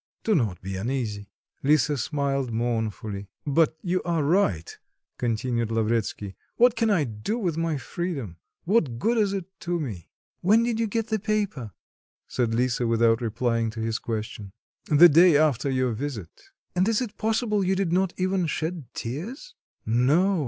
Do not be uneasy." Lisa smiled mournfully. "But you are right," continued Lavretsky, "what can I do with my freedom? What good is it to me?" "When did you get that paper?" said Lisa, without replying to his question. "The day after your visit." "And is it possible you did not even shed tears?" "No.